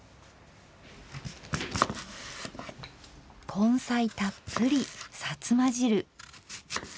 根菜たっぷりさつま汁。